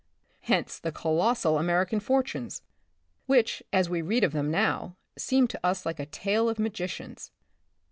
Hence the colossal American fortunes, which, as we read of them now, seem to us like a tale of magicians.